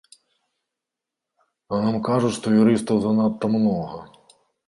А нам кажуць, што юрыстаў занадта многа!